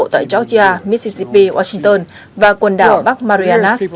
tại georgia mississippi washington và quần đảo bắc marianas